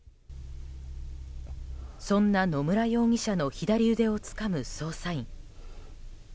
そんな野村容疑者の左腕をつかむ捜査員。